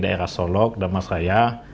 daerah solok damasraya